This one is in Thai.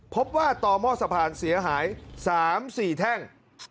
พบว่าต่อหม้อสะพานเสียหาย๓๔แท่ง